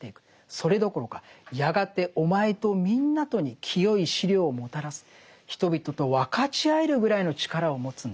それどころかやがてお前とみんなとに聖い資糧をもたらす人々と分かち合えるぐらいの力を持つんだと。